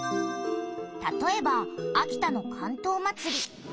たとえば秋田の竿燈まつり。